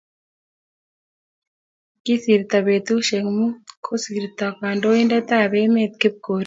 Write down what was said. Kisirto betushiek muut, kosirto kandoindetab emet Kipkorir